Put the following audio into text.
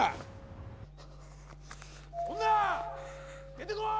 出てこい！